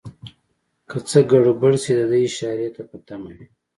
که څه ګړبړ شي دده اشارې ته په تمه وي.